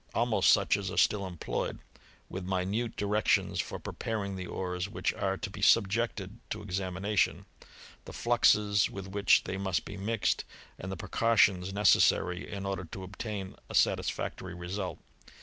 almost such as are still employed, with minute directions for pre paring the ores which are to be subjected to examina tion, the fluxes with which they must be mixed, and the precautions necessary in order to obtain a satisfac tory result.